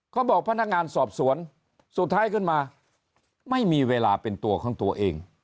พนักงานสอบสวนสุดท้ายขึ้นมาไม่มีเวลาเป็นตัวของตัวเอง